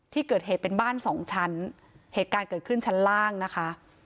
ที่เกิดเหตุเป็นบ้านสองชั้นเหตุการณ์เกิดขึ้นชั้นล่างนะคะ